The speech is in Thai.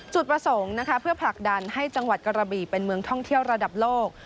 จุดประสงค์นะคะเพื่อผลักดันให้จังหวัดกระบีเป็นเมืองท่องเที่ยวระดับโลก